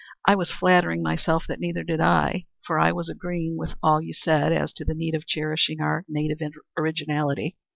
I was flattering myself that neither did I, for I was agreeing with all you said as to the need of cherishing our native originality.